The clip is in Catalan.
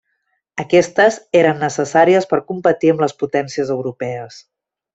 Aquestes eren necessàries per competir amb les potències europees.